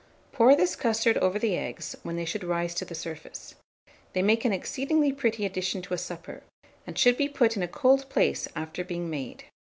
Pour this custard over the eggs, when they should rise to the surface. They make an exceedingly pretty addition to a supper, and should be put in a cold place after being made.